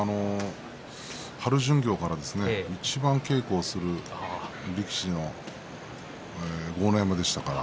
春巡業からいちばん稽古する力士の１人でした。